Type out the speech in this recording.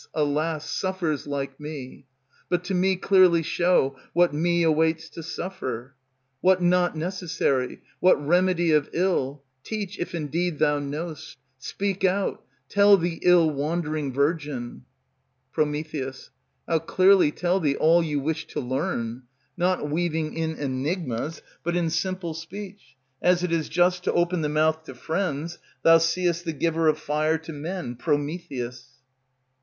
alas! suffers like me? But to me clearly show What me awaits to suffer, What not necessary; what remedy of ill, Teach, if indeed thou know'st; speak out, Tell the ill wandering virgin. Pr. I'll clearly tell thee all you wish to learn. Not weaving in enigmas, but in simple speech, As it is just to open the mouth to friends. Thou seest the giver of fire to men, Prometheus.